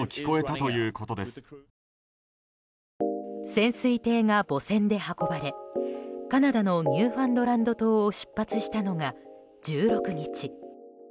潜水艇が母船で運ばれカナダのニューファンドランド島を出発したのが１６日。